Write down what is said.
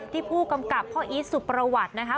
ผู้กำกับพ่ออีทสุประวัตินะคะ